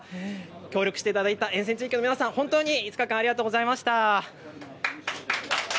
協力していただいた沿線地域の皆さん、本当に５日間ありがとうございました。